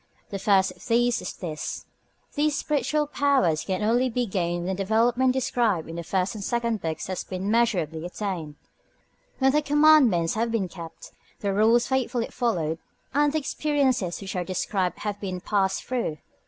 The first of these is this: These spiritual powers can only be gained when the development described in the first and second books has been measurably attained; when the Commandments have been kept, the Rules faithfully followed, and the experiences which are described have been passed through.